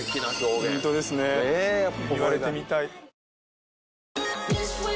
言われてみたい。